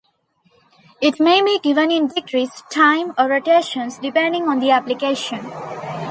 It may be given in degrees, time, or rotations depending on the application.